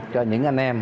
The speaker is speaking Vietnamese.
cho những anh em